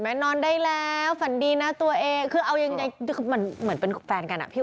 นอนได้แล้วฝันดีนะตัวเองคือเอายังไงคือมันเหมือนเป็นแฟนกันอ่ะพี่